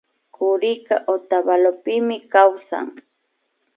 Kurika Otavalopi kawsan